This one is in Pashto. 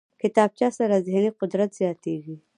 کتابچه سره ذهني قدرت زیاتېږي